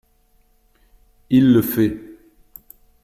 Il le fait